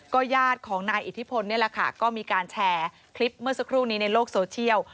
ญาติของนายอิทธิพลนี่แหละค่ะก็มีการแชร์คลิปเมื่อสักครู่นี้ในโลกโซเชียล